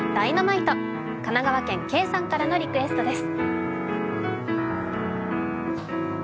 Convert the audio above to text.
神奈川県、ｋｅｉさんからのリクエストです。